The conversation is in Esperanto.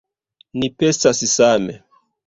Ni pensas same.